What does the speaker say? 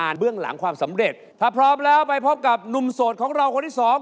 เราไปพบกับนุ่มโสดของเราคนที่สอง